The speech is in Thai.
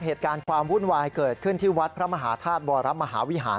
เหตุการณ์ความวุ่นวายเกิดขึ้นที่วัดพระมหาธาตุวรมหาวิหาร